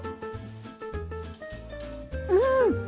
うん！